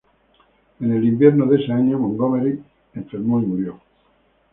En el invierno de ese año, Montgomery se enfermó y murió.